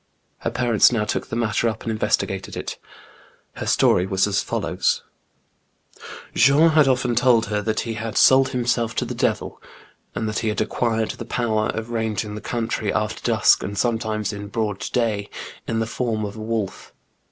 Her parents now took the matter up and investigated it. Her story was as follows :— Jean had often told her that he had sold himself to the devil, and that he had acquired the power of ranging the country after dusk, and sometimes in broad day, in the form of a wolf.